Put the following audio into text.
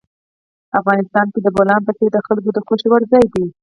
افغانستان کې د بولان پټي د خلکو د خوښې وړ ځای دی.